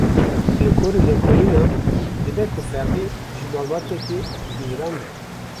Li gorî lêkolînan dibe ku Feqî ji malbateke mîran be.